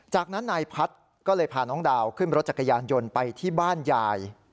จากนั้นนายพัฒน์ก็เลยพาน้องดาวขึ้นรถจักรยานยนต์ไปที่บ้านยาย